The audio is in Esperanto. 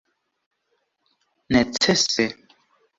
necese